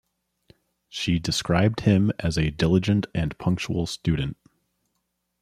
She described him as a diligent and punctual student.